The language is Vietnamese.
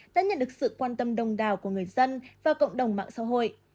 đã nhận được sự quan tâm đông đào của người dân và cộng đồng mạng xã hội